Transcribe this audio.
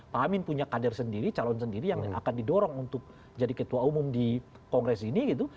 pak amin punya kader sendiri calon sendiri yang akan didorong untuk jadi ketua umum di kongres ini gitu